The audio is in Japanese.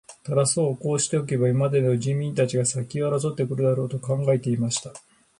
タラス王はこうしておけば、今までのように人民たちが先を争って来るだろう、と考えていました。